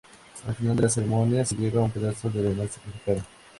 Al final de la ceremonia se lleva un pedazo del animal sacrificado.